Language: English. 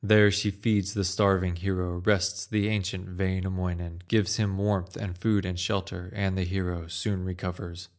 There she feeds the starving hero, Rests the ancient Wainamoinen, Gives him warmth, and food, and shelter, And the hero soon recovers.